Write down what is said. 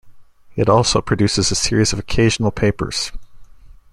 It also produces a series of occasional papers.